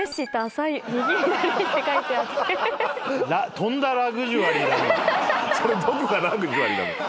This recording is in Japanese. とんだラグジュアリーだね。